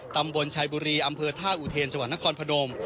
ตำบลชายบุรีอำเภอท่าอุเทนจังหวัดนครพนม